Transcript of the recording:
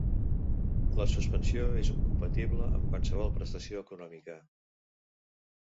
La suspensió és incompatible amb qualsevol prestació econòmica.